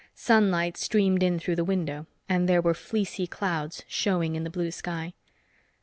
Sunlight streamed in through the window, and there were fleecy clouds showing in the blue sky.